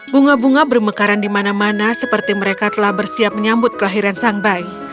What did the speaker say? bunga bunga bermekaran di mana mana seperti mereka telah bersiap menyambut kelahiran sang bayi